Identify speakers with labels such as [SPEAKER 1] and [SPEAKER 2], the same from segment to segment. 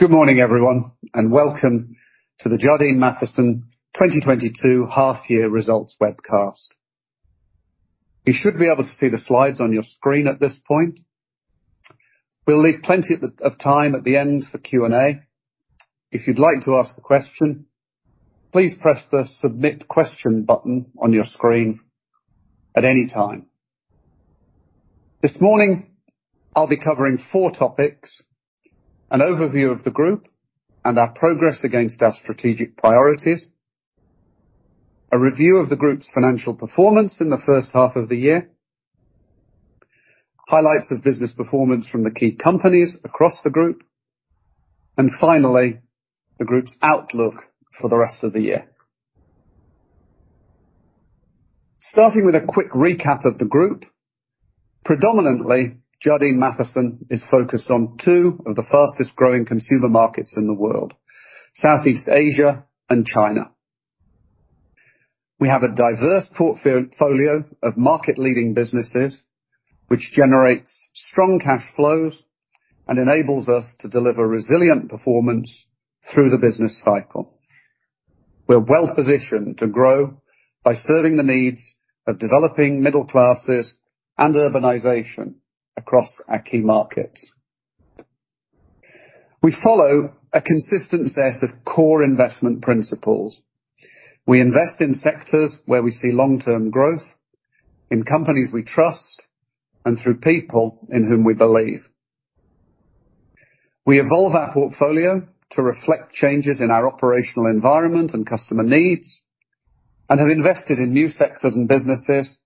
[SPEAKER 1] Good morning, everyone, and welcome to the Jardine Matheson 2022 half year results webcast. You should be able to see the slides on your screen at this point. We'll leave plenty of time at the end for Q&A. If you'd like to ask a question, please press the Submit Question button on your screen at any time. This morning, I'll be covering four topics, an overview of the group and our progress against our strategic priorities, a review of the group's financial performance in the first half of the year, highlights of business performance from the key companies across the group, and finally, the group's outlook for the rest of the year. Starting with a quick recap of the group. Predominantly, Jardine Matheson is focused on two of the fastest-growing consumer markets in the world, Southeast Asia and China. We have a diverse portfolio of market-leading businesses, which generates strong cash flows and enables us to deliver resilient performance through the business cycle. We're well-positioned to grow by serving the needs of developing middle classes and urbanization across our key markets. We follow a consistent set of core investment principles. We invest in sectors where we see long-term growth, in companies we trust, and through people in whom we believe. We evolve our portfolio to reflect changes in our operational environment and customer needs, and have invested in new sectors and businesses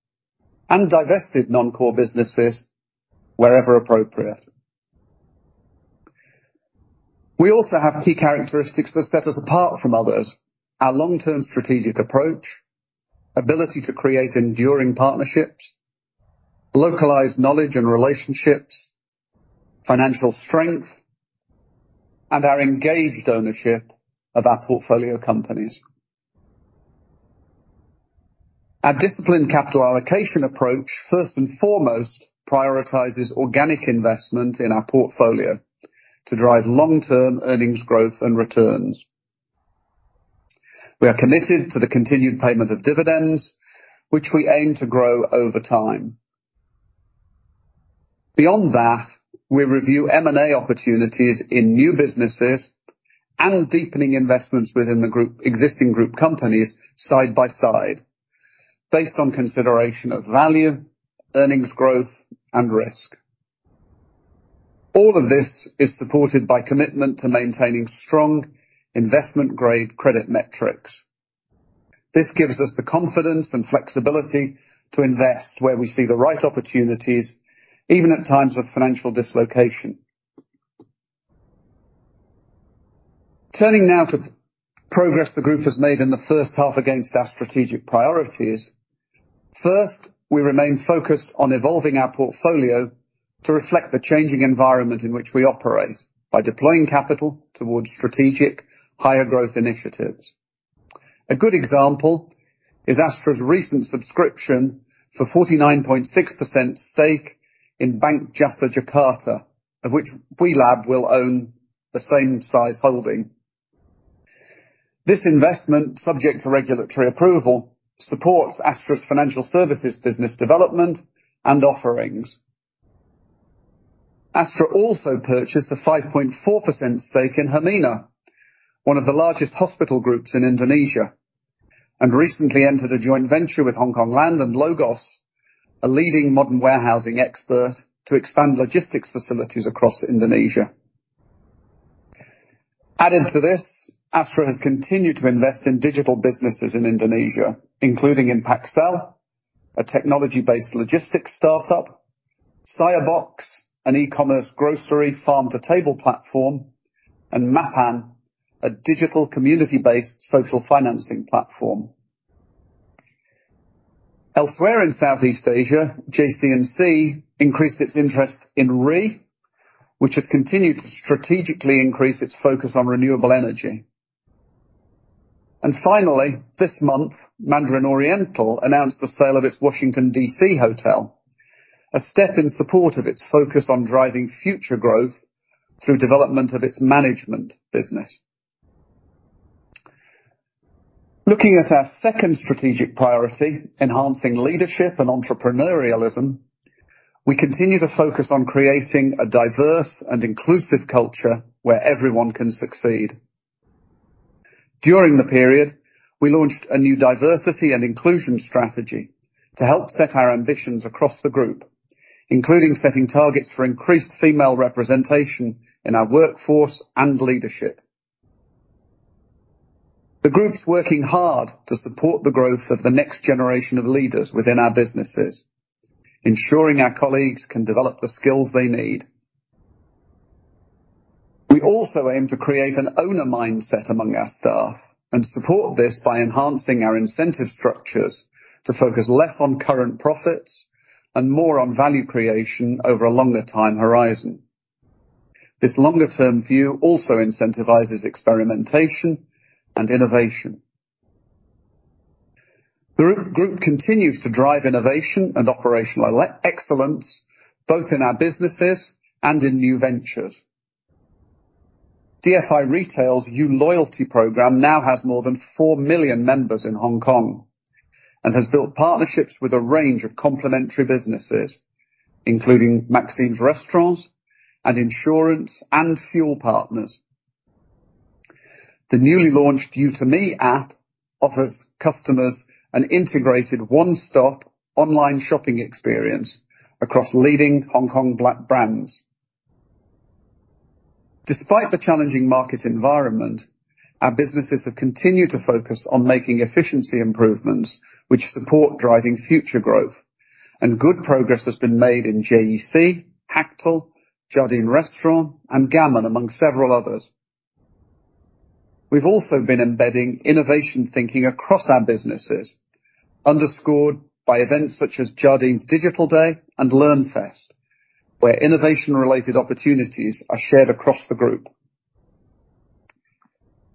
[SPEAKER 1] and divested non-core businesses wherever appropriate. We also have key characteristics that set us apart from others. Our long-term strategic approach, ability to create enduring partnerships, localized knowledge and relationships, financial strength, and our engaged ownership of our portfolio companies. Our disciplined capital allocation approach, first and foremost prioritizes organic investment in our portfolio to drive long-term earnings growth and returns. We are committed to the continued payment of dividends, which we aim to grow over time. Beyond that, we review M&A opportunities in new businesses and deepening investments within the group, existing group companies side by side based on consideration of value, earnings growth, and risk. All of this is supported by commitment to maintaining strong investment-grade credit metrics. This gives us the confidence and flexibility to invest where we see the right opportunities, even at times of financial dislocation. Turning now to progress the group has made in the first half against our strategic priorities. First, we remain focused on evolving our portfolio to reflect the changing environment in which we operate, by deploying capital towards strategic higher growth initiatives. A good example is Astra's recent subscription for 49.6% stake in Bank Jasa Jakarta, of which WeLab will own the same size holding. This investment, subject to regulatory approval, supports Astra's financial services business development and offerings. Astra also purchased a 5.4% stake in Hermina, one of the largest hospital groups in Indonesia, and recently entered a joint venture with Hongkong Land and Logos, a leading modern warehousing expert, to expand logistics facilities across Indonesia. Added to this, Astra has continued to invest in digital businesses in Indonesia, including in Paxel, a technology-based logistics start-up, Sayurbox, an e-commerce grocery farm-to-table platform, and Mapan, a digital community-based social financing platform. Elsewhere in Southeast Asia, JCNC increased its interest in REE, which has continued to strategically increase its focus on renewable energy. Finally, this month, Mandarin Oriental announced the sale of its Washington, D.C. Hotel, a step in support of its focus on driving future growth through development of its management business. Looking at our second strategic priority, enhancing leadership and entrepreneurialism, we continue to focus on creating a diverse and inclusive culture where everyone can succeed. During the period, we launched a new diversity and inclusion strategy to help set our ambitions across the group, including setting targets for increased female representation in our workforce and leadership. The group's working hard to support the growth of the next generation of leaders within our businesses, ensuring our colleagues can develop the skills they need. We also aim to create an owner mindset among our staff and support this by enhancing our incentive structures to focus less on current profits and more on value creation over a longer time horizon. This longer-term view also incentivizes experimentation and innovation. The group continues to drive innovation and operational excellence both in our businesses and in new ventures. DFI Retail's yuu Loyalty program now has more than four million members in Hong Kong and has built partnerships with a range of complementary businesses, including Maxim's restaurants and insurance and fuel partners. The newly launched yuu to me app offers customers an integrated one-stop online shopping experience across leading Hong Kong brands. Despite the challenging market environment, our businesses have continued to focus on making efficiency improvements, which support driving future growth. Good progress has been made in JEC, Hactl, Jardine Restaurant, and Gammon, among several others. We've also been embedding innovation thinking across our businesses, underscored by events such as Jardine's Digital Day and Learnfest, where innovation-related opportunities are shared across the group.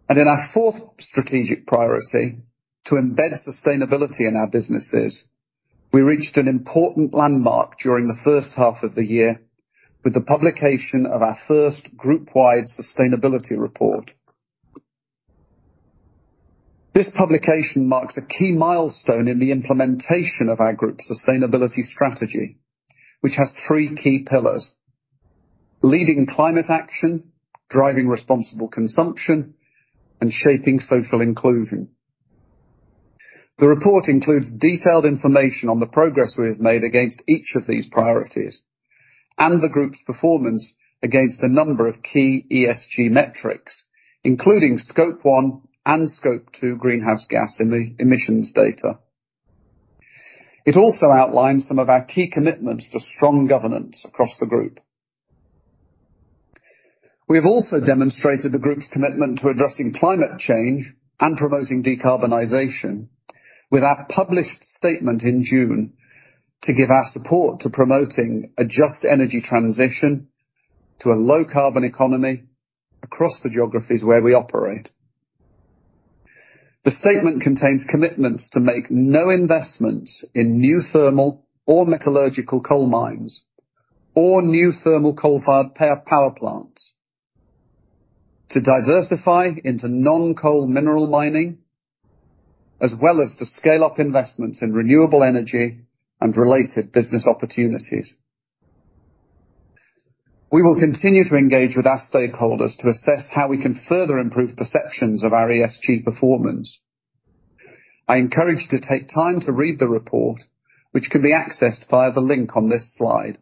[SPEAKER 1] In our fourth strategic priority to embed sustainability in our businesses, we reached an important landmark during the first half of the year with the publication of our first group-wide sustainability report. This publication marks a key milestone in the implementation of our group sustainability strategy, which has three key pillars, leading climate action, driving responsible consumption, and shaping social inclusion. The report includes detailed information on the progress we have made against each of these priorities and the group's performance against a number of key ESG metrics, including scope one and scope two greenhouse gas emissions data. It also outlines some of our key commitments to strong governance across the group. We have also demonstrated the group's commitment to addressing climate change and promoting decarbonization with our published statement in June to give our support to promoting a just energy transition to a low carbon economy across the geographies where we operate. The statement contains commitments to make no investments in new thermal or metallurgical coal mines, or new thermal coal-fired power plants, to diversify into non-coal mineral mining, as well as to scale up investments in renewable energy and related business opportunities. We will continue to engage with our stakeholders to assess how we can further improve perceptions of our ESG performance. I encourage you to take time to read the report, which can be accessed via the link on this slide,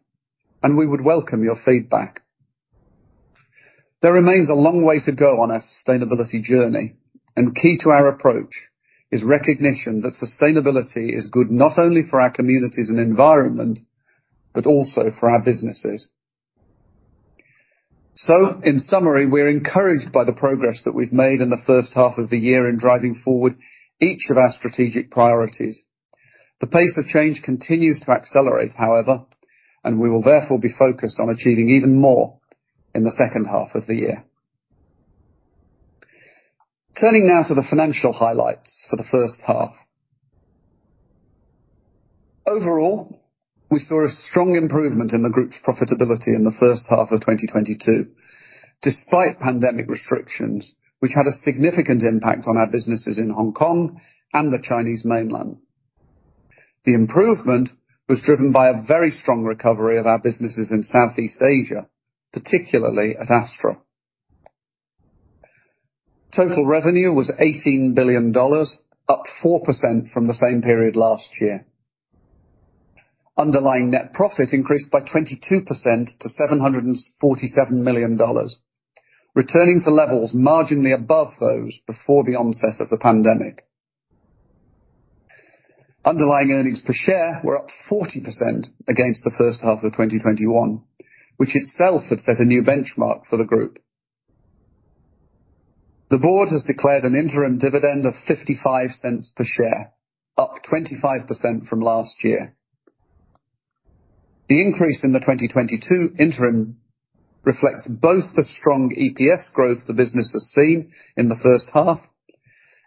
[SPEAKER 1] and we would welcome your feedback. There remains a long way to go on our sustainability journey, and key to our approach is recognition that sustainability is good, not only for our communities and environment, but also for our businesses. In summary, we're encouraged by the progress that we've made in the first half of the year in driving forward each of our strategic priorities. The pace of change continues to accelerate, however, and we will therefore be focused on achieving even more in the second half of the year. Turning now to the financial highlights for the first half. Overall, we saw a strong improvement in the group's profitability in the first half of 2022, despite pandemic restrictions, which had a significant impact on our businesses in Hong Kong and the Chinese mainland. The improvement was driven by a very strong recovery of our businesses in Southeast Asia, particularly at Astra. Total revenue was $18 billion, up 4% from the same period last year. Underlying net profit increased by 22% to $747 million, returning to levels marginally above those before the onset of the pandemic. Underlying earnings per share were up 40% against the first half of 2021, which itself had set a new benchmark for the group. The board has declared an interim dividend of $0.55 per share, up 25% from last year. The increase in the 2022 interim reflects both the strong EPS growth the business has seen in the first half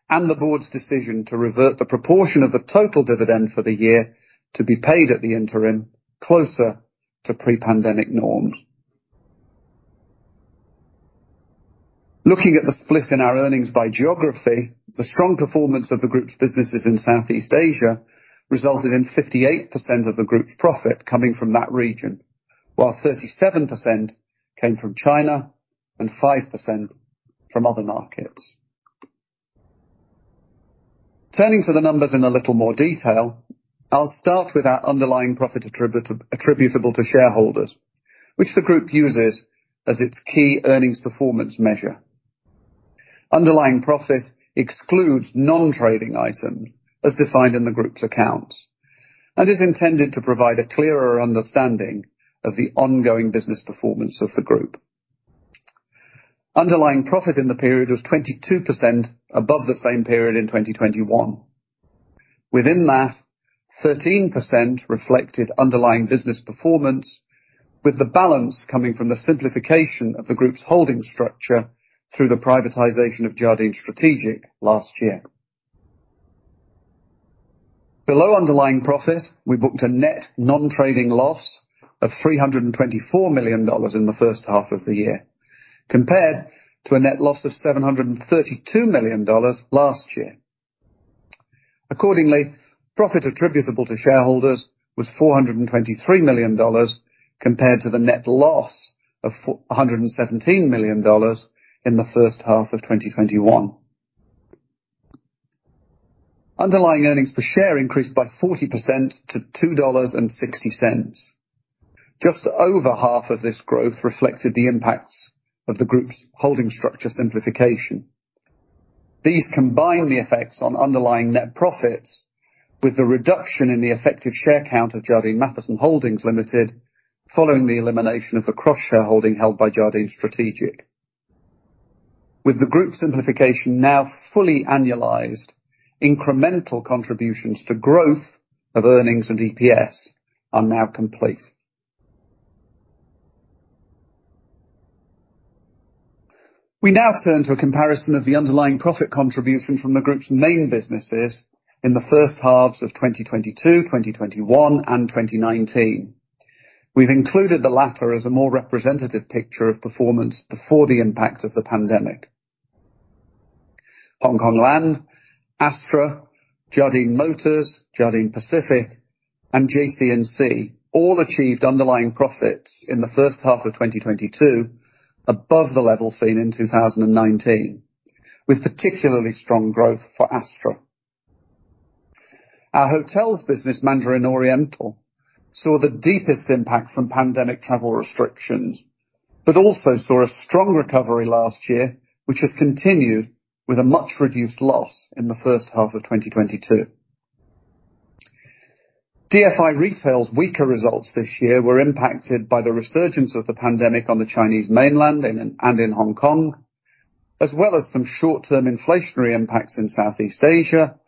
[SPEAKER 1] and the board's decision to revert the proportion of the total dividend for the year to be paid at the interim, closer to pre-pandemic norms. Looking at the split in our earnings by geography, the strong performance of the group's businesses in Southeast Asia resulted in 58% of the group's profit coming from that region, while 37% came from China and 5% from other markets. Turning to the numbers in a little more detail, I'll start with our underlying profit attributable to shareholders, which the group uses as its key earnings performance measure. Underlying profit excludes non-trading items as defined in the group's accounts and is intended to provide a clearer understanding of the ongoing business performance of the group. Underlying profit in the period was 22% above the same period in 2021. Within that, 13% reflected underlying business performance with the balance coming from the simplification of the group's holding structure through the privatization of Jardine Strategic last year. Below underlying profit, we booked a net non-trading loss of $324 million in the first half of the year compared to a net loss of $732 million last year. Accordingly, profit attributable to shareholders was $423 million compared to the net loss of four hundred and seventeen million dollars in the first half of 2021. Underlying earnings per share increased by 40% to $2.60. Just over half of this growth reflected the impacts of the group's holding structure simplification. These combine the effects on underlying net profits with the reduction in the effective share count of Jardine Matheson Holdings Limited following the elimination of the cross-shareholding held by Jardine Strategic. With the group simplification now fully annualized, incremental contributions to growth of earnings and EPS are now complete. We now turn to a comparison of the underlying profit contribution from the group's main businesses in the first halves of 2022, 2021, and 2019. We've included the latter as a more representative picture of performance before the impact of the pandemic. Hongkong Land, Astra, Jardine Motors, Jardine Pacific, and JCC all achieved underlying profits in the first half of 2022 above the level seen in 2019, with particularly strong growth for Astra. Our hotels business, Mandarin Oriental, saw the deepest impact from pandemic travel restrictions, but also saw a strong recovery last year, which has continued with a much reduced loss in the first half of 2022. DFI Retail's weaker results this year were impacted by the resurgence of the pandemic on the Chinese mainland and in Hong Kong, as well as some short-term inflationary impacts in Southeast Asia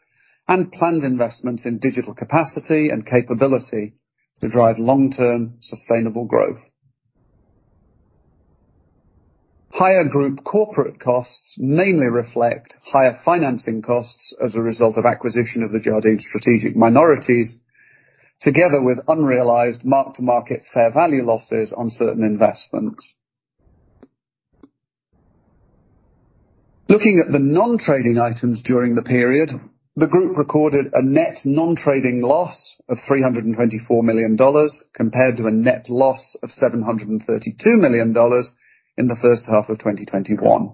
[SPEAKER 1] and planned investments in digital capacity and capability to drive long-term sustainable growth. Higher group corporate costs mainly reflect higher financing costs as a result of acquisition of the Jardine Strategic Holdings minorities, together with unrealized mark-to-market fair value losses on certain investments. Looking at the non-trading items during the period, the group recorded a net non-trading loss of $324 million compared to a net loss of $732 million in the first half of 2021.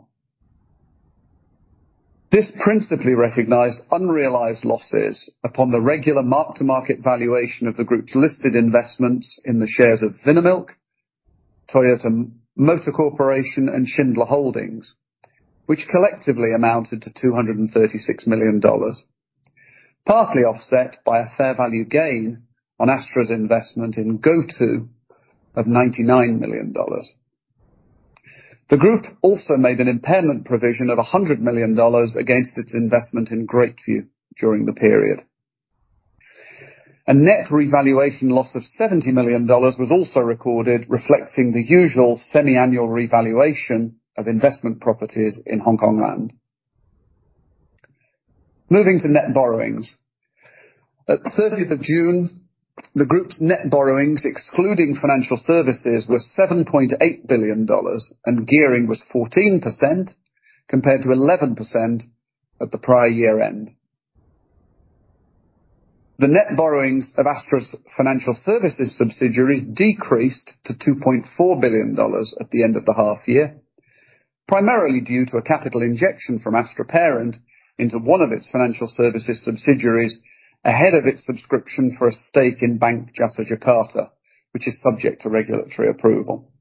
[SPEAKER 1] This principally recognized unrealized losses upon the regular mark-to-market valuation of the group's listed investments in the shares of Vinamilk, Toyota Motor Corporation, and Schindler Holdings, which collectively amounted to $236 million. Partly offset by a fair value gain on Astra's investment in GoTo of $99 million. The group also made an impairment provision of $100 million against its investment in Greatview during the period. A net revaluation loss of $70 million was also recorded, reflecting the usual semi-annual revaluation of investment properties in Hongkong Land. Moving to net borrowings. At 30 June, the group's net borrowings, excluding financial services, were $7.8 billion, and gearing was 14% compared to 11% at the prior year-end. The net borrowings of Astra's financial services subsidiaries decreased to $2.4 billion at the end of the half year, primarily due to a capital injection from Astra parent into one of its financial services subsidiaries ahead of its subscription for a stake in Bank Jasa Jakarta, which is subject to regulatory approval.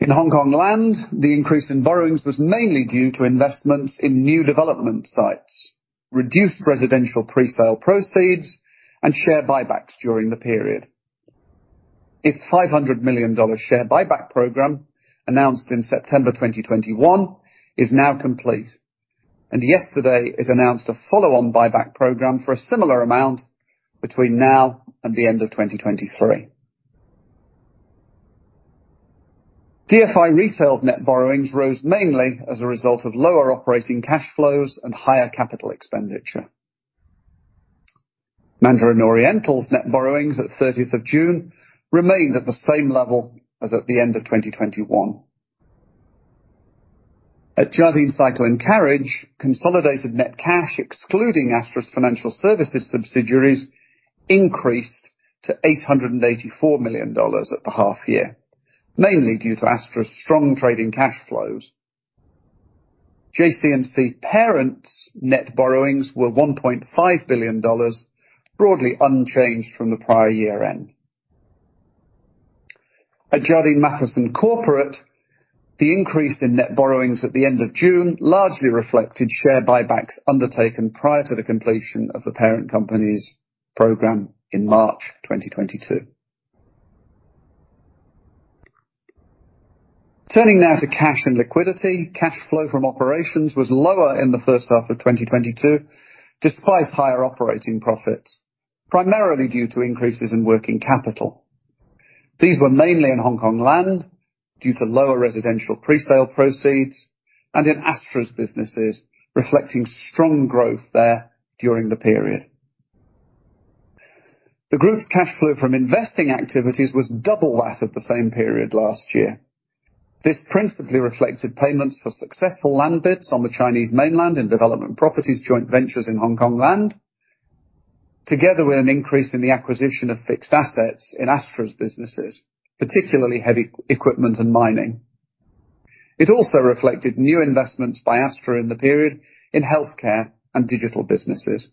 [SPEAKER 1] In Hongkong Land, the increase in borrowings was mainly due to investments in new development sites, reduced residential pre-sale proceeds, and share buybacks during the period. Its $500 million share buyback program announced in September 2021 is now complete, and yesterday it announced a follow-on buyback program for a similar amount between now and the end of 2023. DFI Retail Group's net borrowings rose mainly as a result of lower operating cash flows and higher capital expenditure. Mandarin Oriental's net borrowings at 30th of June remained at the same level as at the end of 2021. At Jardine Cycle & Carriage, consolidated net cash, excluding Astra's financial services subsidiaries, increased to $884 million at the half year, mainly due to Astra's strong trading cash flows. JCNC parent's net borrowings were $1.5 billion, broadly unchanged from the prior year-end. At Jardine Matheson Corporate, the increase in net borrowings at the end of June largely reflected share buybacks undertaken prior to the completion of the parent company's program in March 2022. Turning now to cash and liquidity. Cash flow from operations was lower in the first half of 2022, despite higher operating profits, primarily due to increases in working capital. These were mainly in Hongkong Land, due to lower residential pre-sale proceeds and in Astra's businesses, reflecting strong growth there during the period. The group's cash flow from investing activities was double that of the same period last year. This principally reflected payments for successful land bids on the Chinese mainland in development properties, joint ventures in Hongkong Land, together with an increase in the acquisition of fixed assets in Astra's businesses, particularly heavy equipment and mining. It also reflected new investments by Astra in the period in healthcare and digital businesses.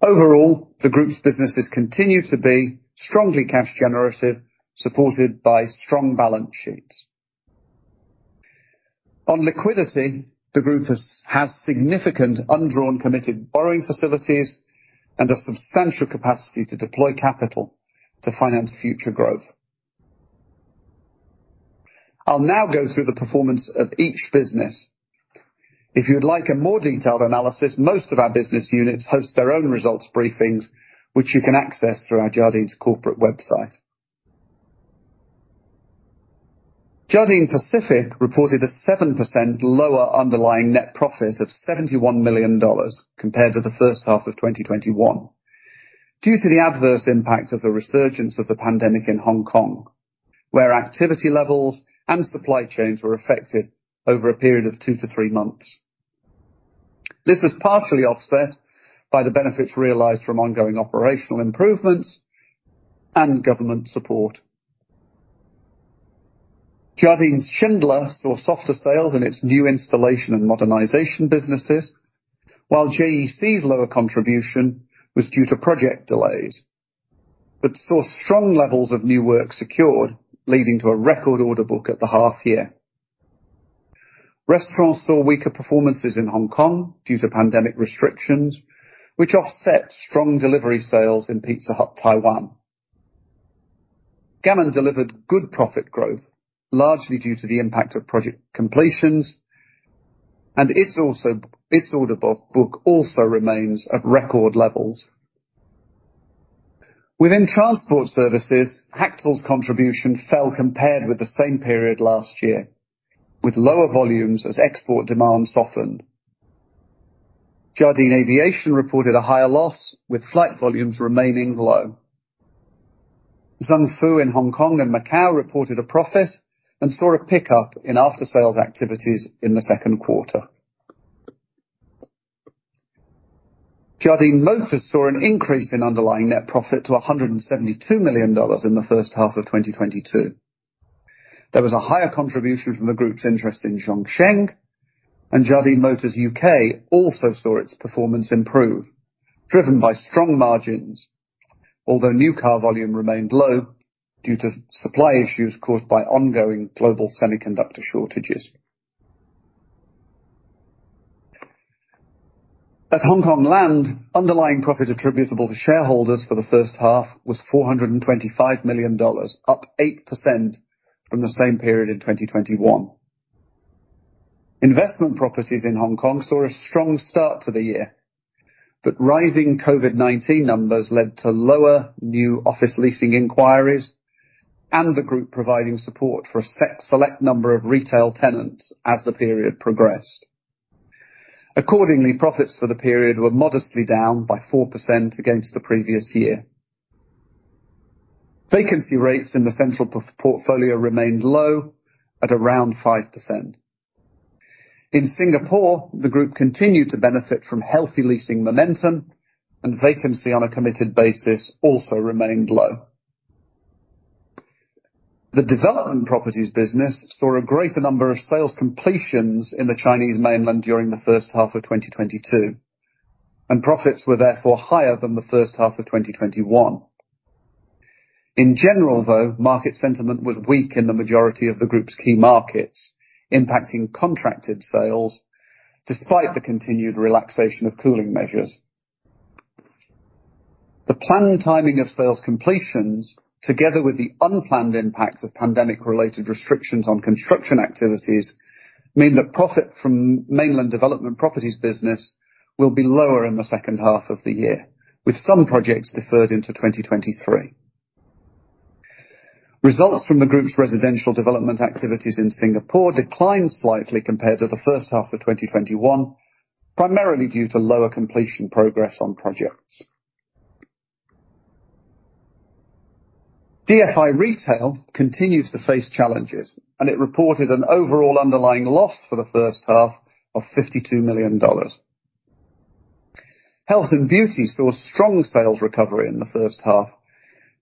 [SPEAKER 1] Overall, the group's businesses continue to be strongly cash generative, supported by strong balance sheets. On liquidity, the group has significant undrawn committed borrowing facilities and a substantial capacity to deploy capital to finance future growth. I'll now go through the performance of each business. If you'd like a more detailed analysis, most of our business units host their own results briefings, which you can access through our Jardine's corporate website. Jardine Pacific reported a 7% lower underlying net profit of $71 million compared to the first half of 2021 due to the adverse impact of the resurgence of the pandemic in Hong Kong, where activity levels and supply chains were affected over a period of two to three months. This was partially offset by the benefits realized from ongoing operational improvements and government support. Jardine Schindler saw softer sales in its new installation and modernization businesses, while JEC's lower contribution was due to project delays, but saw strong levels of new work secured, leading to a record order book at the half year. Restaurants saw weaker performances in Hong Kong due to pandemic restrictions, which offset strong delivery sales in Pizza Hut Taiwan. Gammon delivered good profit growth, largely due to the impact of project completions, and its order book also remains at record levels. Within transport services, Hactl's contribution fell compared with the same period last year, with lower volumes as export demand softened. Jardine Aviation reported a higher loss, with flight volumes remaining low. Zung Fu in Hong Kong and Macau reported a profit and saw a pickup in after-sales activities in the second quarter. Jardine Motors saw an increase in underlying net profit to $172 million in the first half of 2022. There was a higher contribution from the group's interest in Zhongsheng and Jardine Motors UK also saw its performance improve, driven by strong margins. Although new car volume remained low due to supply issues caused by ongoing global semiconductor shortages. At Hongkong Land, underlying profit attributable to shareholders for the first half was $425 million, up 8% from the same period in 2021. Investment properties in Hong Kong saw a strong start to the year, but rising COVID-19 numbers led to lower new office leasing inquiries and the group providing support for a select number of retail tenants as the period progressed. Accordingly, profits for the period were modestly down by 4% against the previous year. Vacancy rates in the central portfolio remained low at around 5%. In Singapore, the group continued to benefit from healthy leasing momentum, and vacancy on a committed basis also remained low. The development properties business saw a greater number of sales completions in the Chinese mainland during the first half of 2022, and profits were therefore higher than the first half of 2021. In general, though, market sentiment was weak in the majority of the group's key markets, impacting contracted sales despite the continued relaxation of cooling measures. The planned timing of sales completions, together with the unplanned impacts of pandemic-related restrictions on construction activities, mean that profit from mainland development properties business will be lower in the second half of the year, with some projects deferred into 2023. Results from the group's residential development activities in Singapore declined slightly compared to the first half of 2021, primarily due to lower completion progress on projects. DFI Retail continues to face challenges, and it reported an overall underlying loss for the first half of $52 million. Health and beauty saw strong sales recovery in the first half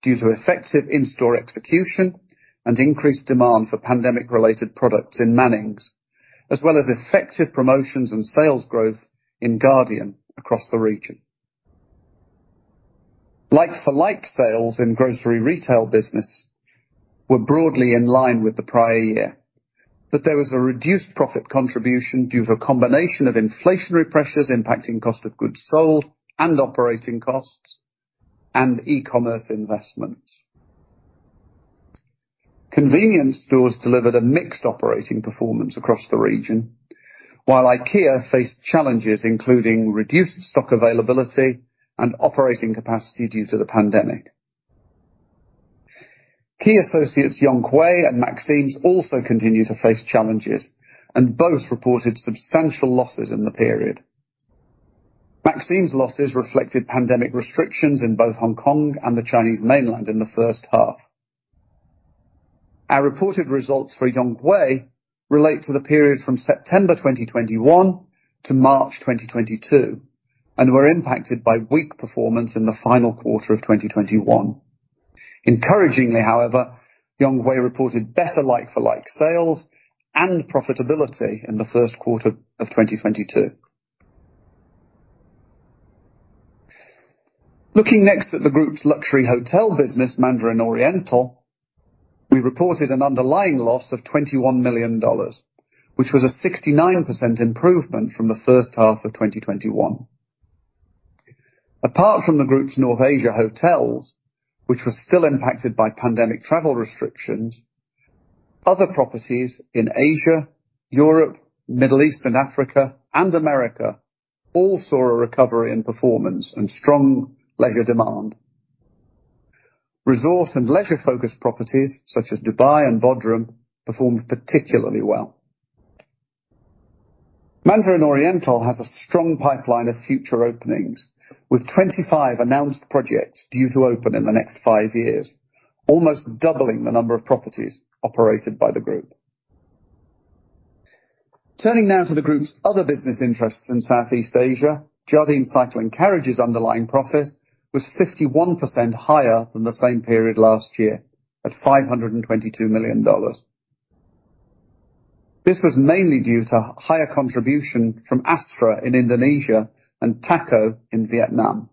[SPEAKER 1] due to effective in-store execution and increased demand for pandemic-related products in Mannings, as well as effective promotions and sales growth in Guardian across the region. Like-for-like sales in grocery retail business were broadly in line with the prior year, but there was a reduced profit contribution due to a combination of inflationary pressures impacting cost of goods sold and operating costs and e-commerce investments. Convenience stores delivered a mixed operating performance across the region, while IKEA faced challenges, including reduced stock availability and operating capacity due to the pandemic. Key associates Yonghui and Maxim's also continue to face challenges and both reported substantial losses in the period. Maxim's losses reflected pandemic restrictions in both Hong Kong and the Chinese mainland in the first half. Our reported results for Yonghui relate to the period from September 2021 to March 2022 and were impacted by weak performance in the final quarter of 2021. Encouragingly, however, Yonghui reported better like-for-like sales and profitability in the first quarter of 2022. Looking next at the group's luxury hotel business, Mandarin Oriental, we reported an underlying loss of $21 million, which was a 69% improvement from the first half of 2021. Apart from the group's North Asia hotels, which were still impacted by pandemic travel restrictions, other properties in Asia, Europe, Middle East and Africa, and America all saw a recovery in performance and strong leisure demand. Resort and leisure-focused properties such as Dubai and Bodrum performed particularly well. Mandarin Oriental has a strong pipeline of future openings with 25 announced projects due to open in the next five years, almost doubling the number of properties operated by the group. Turning now to the group's other business interests in Southeast Asia, Jardine Cycle & Carriage's underlying profit was 51% higher than the same period last year at $522 million. This was mainly due to higher contribution from Astra in Indonesia and Thaco in Vietnam.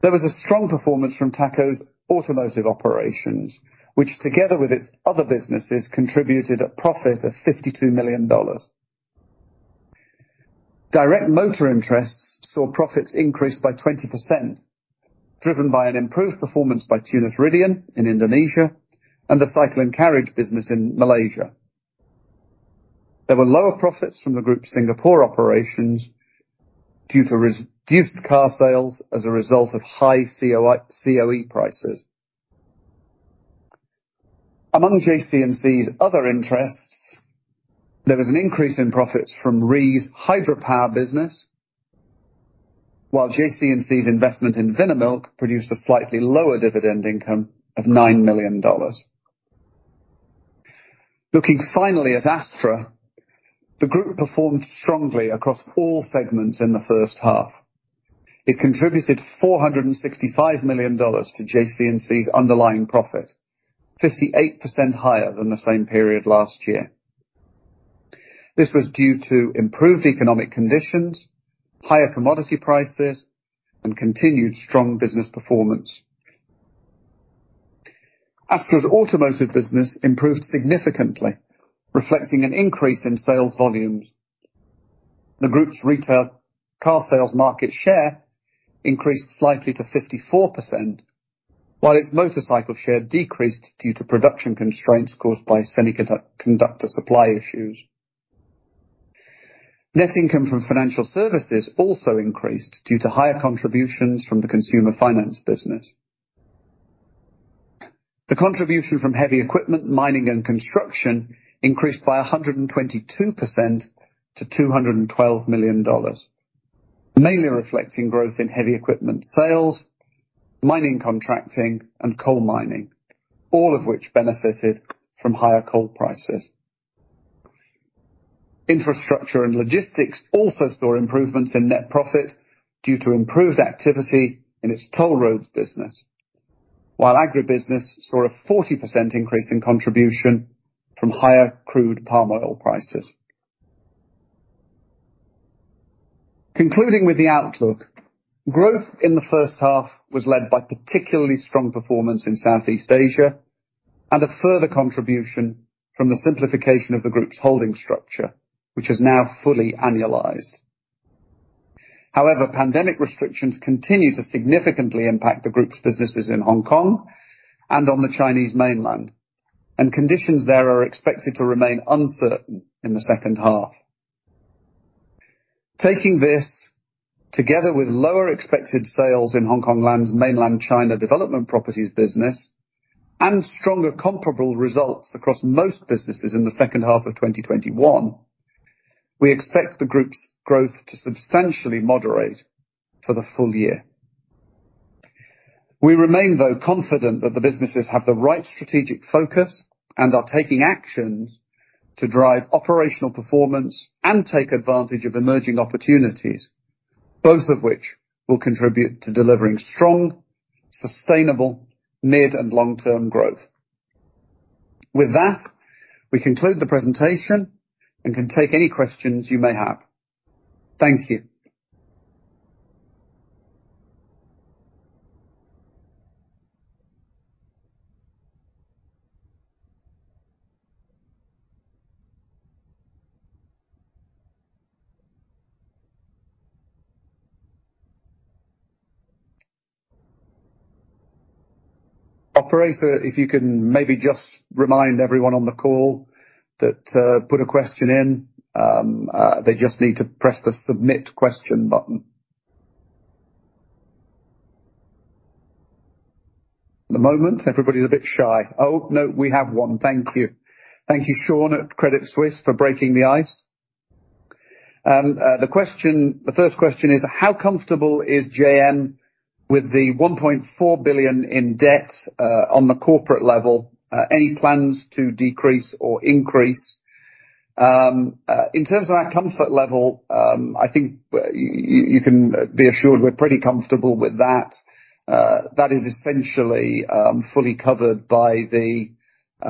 [SPEAKER 1] There was a strong performance from Thaco's automotive operations, which together with its other businesses, contributed a profit of $52 million. Direct motor interests saw profits increased by 20% driven by an improved performance by Tunas Ridean in Indonesia and the Cycle & Carriage business in Malaysia. There were lower profits from the group Singapore operations due to reduced car sales as a result of high COE prices. Among JC&C's other interests, there was an increase in profits from REE's hydropower business. While JC&C's investment in Vinamilk produced a slightly lower dividend income of $9 million. Looking finally at Astra, the group performed strongly across all segments in the first half. It contributed $465 million to JC&C's underlying profit, 58% higher than the same period last year. This was due to improved economic conditions, higher commodity prices, and continued strong business performance. Astra's automotive business improved significantly, reflecting an increase in sales volumes. The group's retail car sales market share increased slightly to 54%, while its motorcycle share decreased due to production constraints caused by semiconductor supply issues. Net income from financial services also increased due to higher contributions from the consumer finance business. The contribution from heavy equipment, mining, and construction increased by 122% to $212 million, mainly reflecting growth in heavy equipment sales, mining contracting, and coal mining, all of which benefited from higher coal prices. qInfrastructure and logistics also saw improvements in net profit due to improved activity in its toll roads business. While agribusiness saw a 40% increase in contribution from higher crude palm oil prices. Concluding with the outlook, growth in the first half was led by particularly strong performance in Southeast Asia and a further contribution from the simplification of the group's holding structure, which is now fully annualized. However, pandemic restrictions continue to significantly impact the group's businesses in Hong Kong and on the mainland China, and conditions there are expected to remain uncertain in the second half. Taking this together with lower expected sales in Hongkong Land's mainland China development properties business and stronger comparable results across most businesses in the second half of 2021, we expect the group's growth to substantially moderate for the full year. We remain, though, confident that the businesses have the right strategic focus and are taking actions to drive operational performance and take advantage of emerging opportunities, both of which will contribute to delivering strong, sustainable mid and long-term growth. With that, we conclude the presentation and can take any questions you may have. Thank you. Operator, if you can maybe just remind everyone on the call that to put a question in, they just need to press the Submit Question button. At the moment, everybody's a bit shy. Oh, no, we have one. Thank you. Thank you, Sean at Credit Suisse for breaking the ice. The first question is: How comfortable is JM with the $1.4 billion in debt on the corporate level? Any plans to decrease or increase? In terms of our comfort level, I think you can be assured we're pretty comfortable with that. That is essentially fully covered by the 10-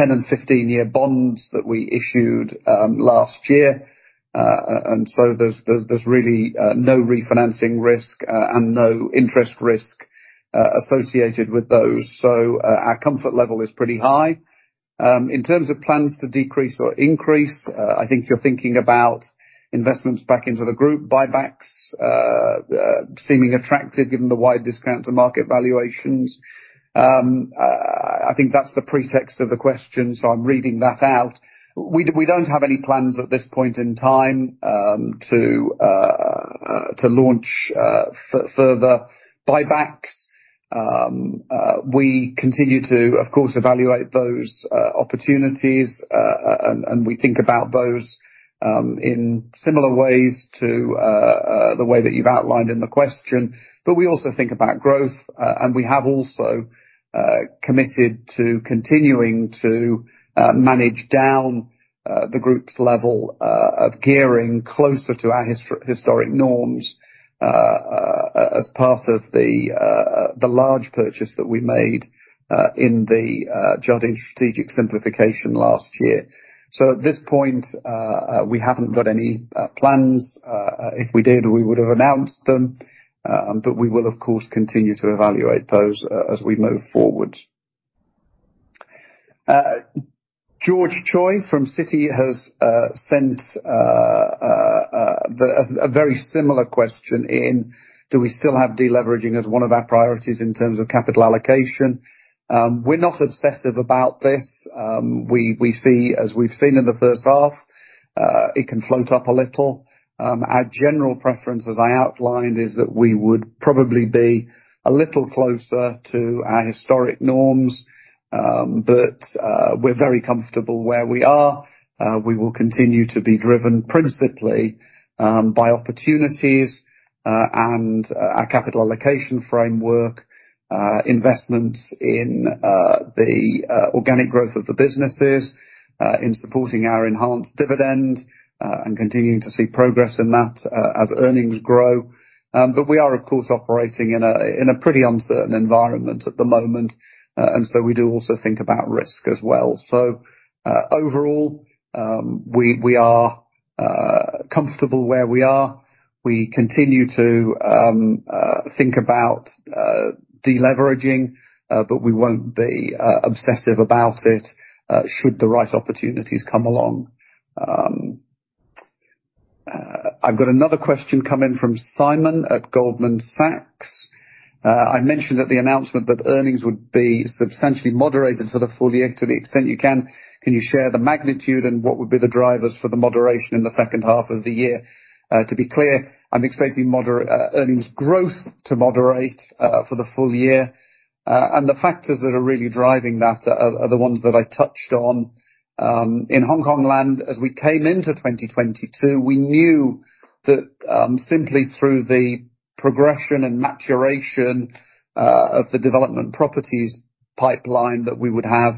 [SPEAKER 1] and 15-year bonds that we issued last year. And so there's really no refinancing risk and no interest risk associated with those. Our comfort level is pretty high. In terms of plans to decrease or increase, I think you're thinking about investments back into the group, buybacks seeming attractive given the wide discount to market valuations. I think that's the pretext of the question, so I'm reading that out. We don't have any plans at this point in time to launch further buybacks. We continue to, of course, evaluate those opportunities, and we think about those in similar ways to the way that you've outlined in the question. We also think about growth, and we have also committed to continuing to manage down the group's level of gearing closer to our historic norms, as part of the large purchase that we made in the Jardine Strategic simplification last year. At this point, we haven't got any plans. If we did, we would have announced them, but we will, of course, continue to evaluate those as we move forward. George Choi from Citi has sent a very similar question, do we still have deleveraging as one of our priorities in terms of capital allocation? We're not obsessive about this. We see as we've seen in the first half, it can float up a little. Our general preference, as I outlined, is that we would probably be a little closer to our historic norms. We're very comfortable where we are. We will continue to be driven principally by opportunities and our capital allocation framework, investments in the organic growth of the businesses, in supporting our enhanced dividend, and continuing to see progress in that as earnings grow. We are, of course, operating in a pretty uncertain environment at the moment, and we do also think about risk as well. Overall, we are comfortable where we are. We continue to think about deleveraging, but we won't be obsessive about it should the right opportunities come along. I've got another question come in from Simon at Goldman Sachs. I mentioned at the announcement that earnings would be substantially moderated for the full year. To the extent you can you share the magnitude and what would be the drivers for the moderation in the second half of the year? To be clear, I'm expecting earnings growth to moderate for the full year. And the factors that are really driving that are the ones that I touched on in Hongkong Land. As we came into 2022, we knew that simply through the progression and maturation of the development properties pipeline, that we would have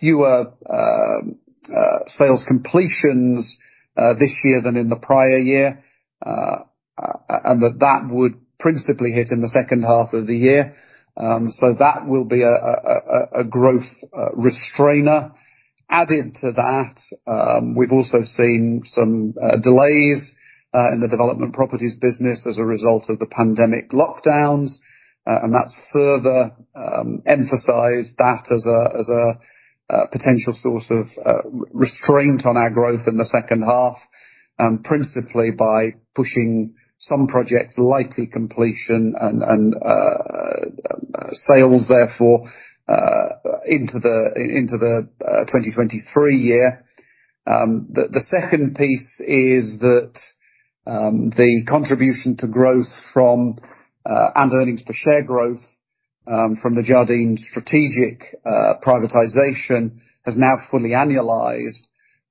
[SPEAKER 1] fewer sales completions this year than in the prior year, and that would principally hit in the second half of the year. That will be a growth restrainer. Added to that, we've also seen some delays in the development properties business as a result of the pandemic lockdowns, and that's further emphasized that as a potential source of restraint on our growth in the second half, principally by pushing some projects likely completion and sales therefore into the 2023 year. The second piece is that the contribution to growth, and earnings per share growth, from the Jardine Strategic privatization has now fully annualized,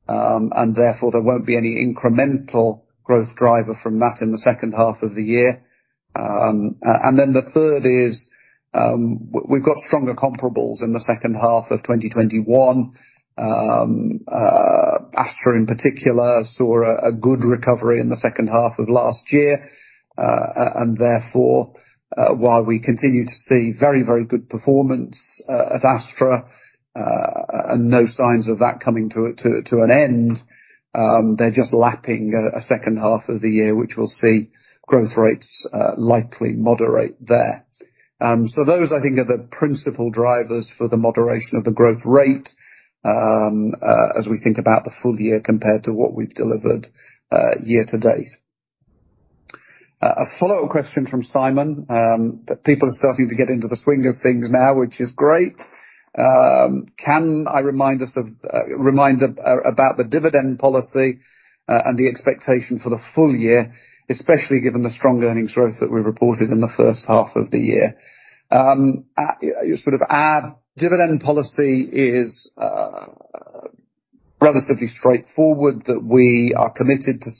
[SPEAKER 1] and therefore there won't be any incremental growth driver from that in the second half of the year. The third is we've got stronger comparables in the second half of 2021. Astra in particular saw a good recovery in the second half of last year. Therefore, while we continue to see very good performance at Astra and no signs of that coming to an end, they're just lapping a second half of the year, which we'll see growth rates likely moderate there. Those, I think, are the principal drivers for the moderation of the growth rate as we think about the full year compared to what we've delivered year to date. A follow-up question from Simon that people are starting to get into the swing of things now, which is great. Can I remind about the dividend policy and the expectation for the full year, especially given the strong earnings growth that we reported in the first half of the year? Sort of our dividend policy is relatively straightforward, that we are committed to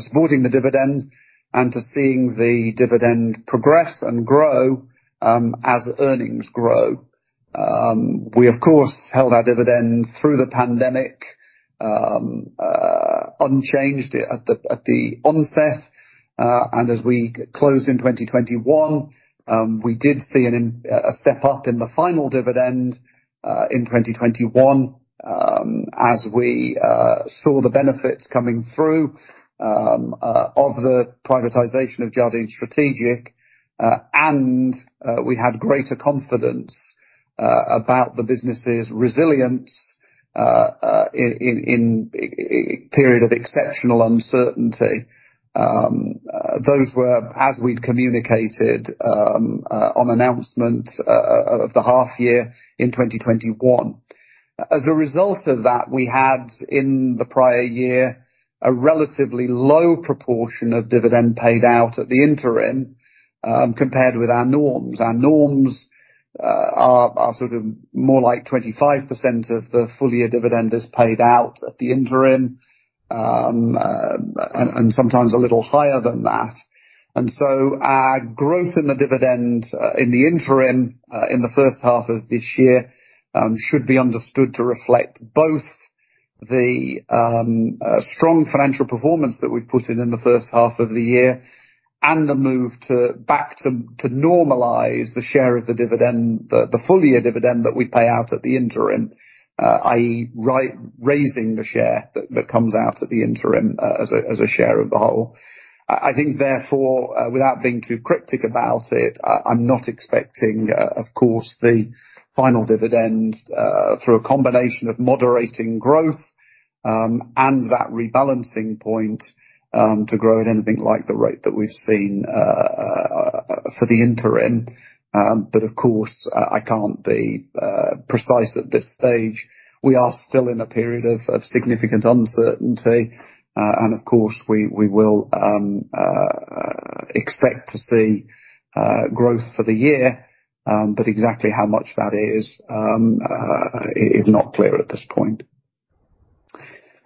[SPEAKER 1] supporting the dividend and to seeing the dividend progress and grow, as earnings grow. We of course held our dividend through the pandemic, unchanged at the onset, and as we closed in 2021, we did see a step up in the final dividend in 2021, as we saw the benefits coming through of the privatization of Jardine Strategic, and we had greater confidence about the business's resilience in a period of exceptional uncertainty. Those were as we'd communicated on announcement of the half year in 2021. As a result of that, we had, in the prior year, a relatively low proportion of dividend paid out at the interim, compared with our norms. Our norms are sort of more like 25% of the full-year dividend is paid out at the interim, and sometimes a little higher than that. Our growth in the dividend in the interim in the first half of this year should be understood to reflect both the strong financial performance that we've put in in the first half of the year and the move back to normalize the share of the dividend, the full-year dividend that we pay out at the interim, i.e. raising the share that comes out at the interim as a share of the whole. I think therefore, without being too cryptic about it, I'm not expecting, of course, the final dividend, through a combination of moderating growth, and that rebalancing point, to grow at anything like the rate that we've seen, for the interim. Of course, I can't be precise at this stage. We are still in a period of significant uncertainty, and of course, we will expect to see growth for the year, but exactly how much that is is not clear at this point.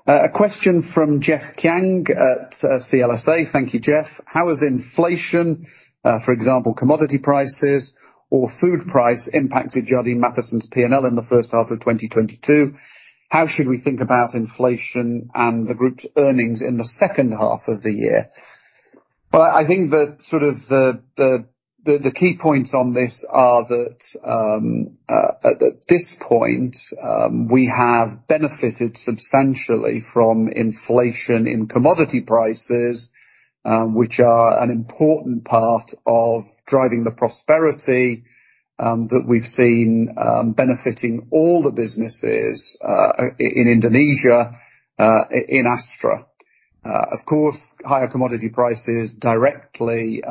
[SPEAKER 1] A question from Jeff Chang at CLSA. Thank you, Jeff. How has inflation, for example, commodity prices or food price, impacted Jardine Matheson's P&L in the first half of 2022? How should we think about inflation and the group's earnings in the second half of the year? Well, I think that sort of the key points on this are that at this point we have benefited substantially from inflation in commodity prices which are an important part of driving the prosperity that we've seen benefiting all the businesses in Indonesia, in Astra. Of course higher commodity prices directly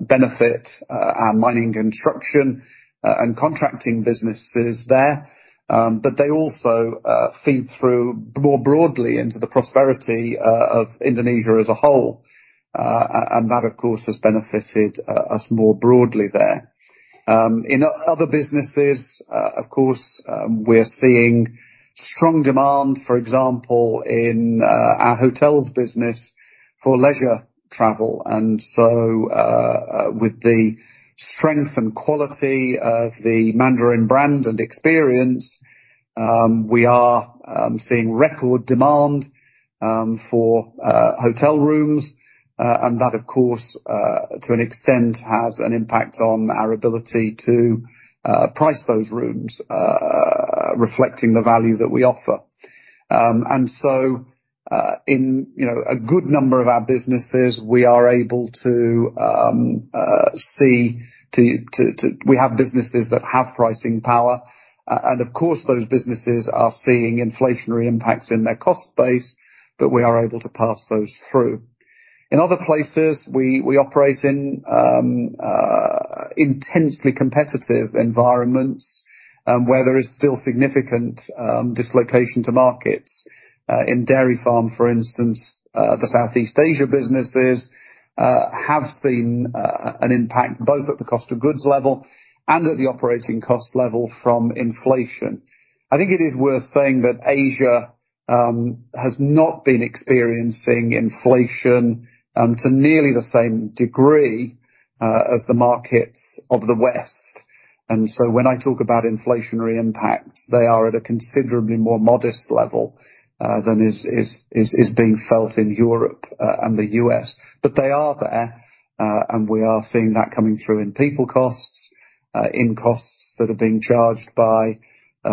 [SPEAKER 1] benefit our mining construction and contracting businesses there. They also feed through more broadly into the prosperity of Indonesia as a whole. That of course has benefited us more broadly there. In other businesses of course we're seeing strong demand for example in our hotels business for leisure travel. With the strength and quality of the Mandarin brand and experience, we are seeing record demand for hotel rooms. That of course to an extent has an impact on our ability to price those rooms reflecting the value that we offer. In you know a good number of our businesses, we are able to see to. We have businesses that have pricing power, and of course, those businesses are seeing inflationary impacts in their cost base, but we are able to pass those through. In other places, we operate in intensely competitive environments, where there is still significant dislocation to markets. In Dairy Farm, for instance, the Southeast Asia businesses have seen an impact both at the cost of goods level and at the operating cost level from inflation. I think it is worth saying that Asia has not been experiencing inflation to nearly the same degree as the markets of the West. When I talk about inflationary impacts, they are at a considerably more modest level than is being felt in Europe and the U.S. They are there, and we are seeing that coming through in people costs, in costs that are being charged by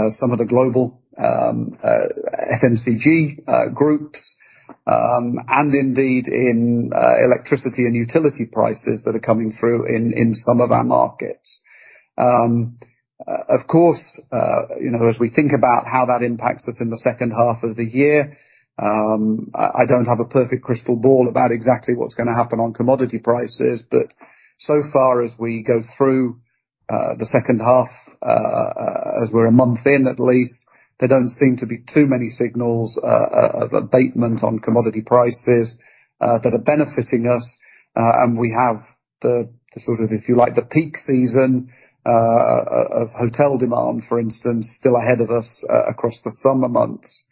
[SPEAKER 1] some of the global FMCG groups, and indeed in electricity and utility prices that are coming through in some of our markets. Of course, you know, as we think about how that impacts us in the second half of the year, I don't have a perfect crystal ball about exactly what's gonna happen on commodity prices, but so far as we go through the second half, as we're a month in at least, there don't seem to be too many signals of abatement on commodity prices that are benefiting us. We have the sort of, if you like, the peak season of hotel demand, for instance, still ahead of us across the summer months.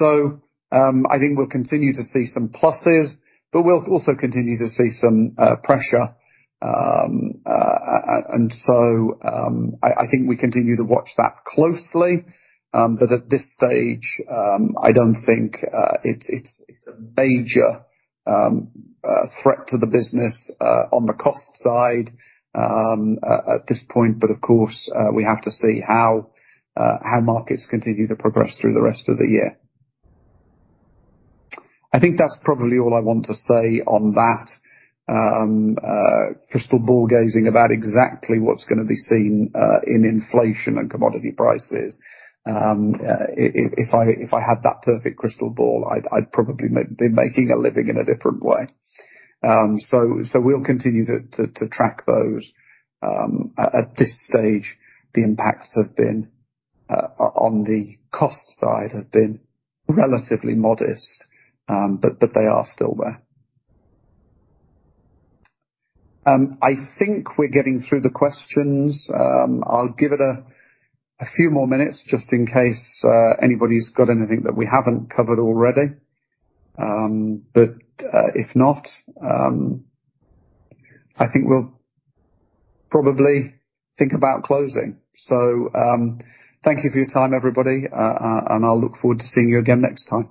[SPEAKER 1] I think we'll continue to see some pluses, but we'll also continue to see some pressure. I think we continue to watch that closely. At this stage, I don't think it's a major threat to the business on the cost side at this point. Of course, we have to see how markets continue to progress through the rest of the year. I think that's probably all I want to say on that, crystal ball gazing about exactly what's gonna be seen in inflation and commodity prices. If I had that perfect crystal ball, I'd probably be making a living in a different way. We'll continue to track those. At this stage, the impacts have been on the cost side relatively modest, but they are still there. I think we're getting through the questions. I'll give it a few more minutes just in case anybody's got anything that we haven't covered already. If not, I think we'll probably think about closing. Thank you for your time, everybody, and I'll look forward to seeing you again next time.